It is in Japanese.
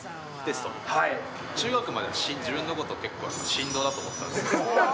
中学まで自分のこと、結構神童だと思ってたんです。